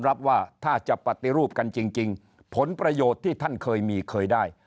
รับว่าถ้าจะปฏิรูปกันจริงผลประโยชน์ที่ท่านเคยมีเคยได้